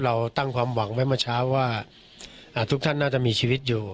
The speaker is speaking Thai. เราตั้งความหวังไว้เมื่อเช้าว่าทุกท่านน่าจะมีชีวิตอยู่